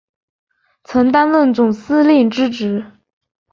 曾担任总司令之职。